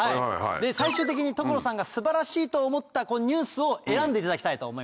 最終的に所さんが素晴らしいと思ったニュースを選んでいただきたいと思います。